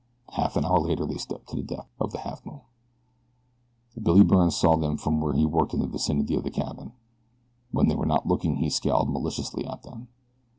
Half an hour later they stepped to the deck of the Halfmoon. Billy Byrne saw them from where he worked in the vicinity of the cabin. When they were not looking he scowled maliciously at them.